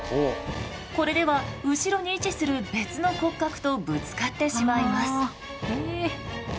これでは後ろに位置する別の骨格とぶつかってしまいます。